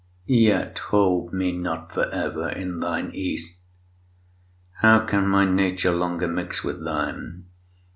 Yet hold me not for ever in thine East: How can my nature longer mix with thine?